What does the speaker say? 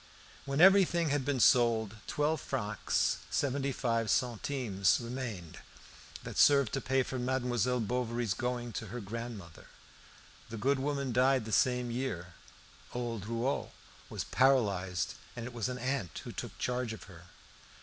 When everything had been sold, twelve francs seventy five centimes remained, that served to pay for Mademoiselle Bovary's going to her grandmother. The good woman died the same year; old Rouault was paralysed, and it was an aunt who took charge of her.